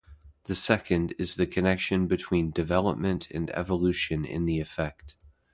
The second is the connection between "development" and evolution in the effect.